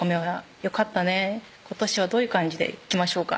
「今年はどういう感じでいきましょうか」